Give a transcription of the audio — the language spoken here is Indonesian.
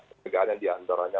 sejagaan yang diantaranya